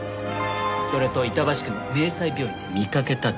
それと板橋区の明彩病院で見かけたと。